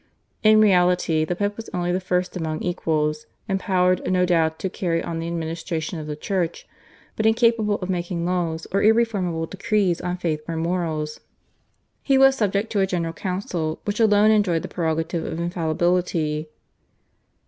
In reality the Pope was only the first among equals, empowered no doubt to carry on the administration of the Church, but incapable of making laws or irreformable decrees on faith or morals. He was subject to a General Council which alone enjoyed the prerogative of infallibility.